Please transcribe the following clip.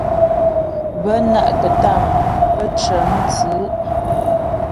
Bə́ ná'kətâm pə́ cə̌mstʉ̌'.